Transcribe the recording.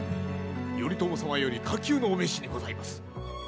頼朝様より火急のお召しにございます。